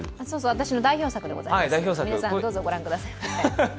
私の代表作でございます、皆さんどうぞご覧ください。